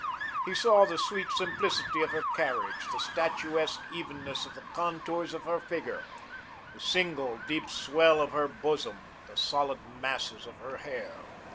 He saw the sweet simplicity of her carriage, the statuesque evenness of the contours of her figure, the single, deep swell of her bosom, the solid masses of her hair.